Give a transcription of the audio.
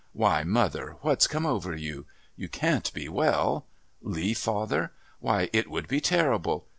Why, mother, what's come over you? You can't be well. Leave father! Why, it would be terrible!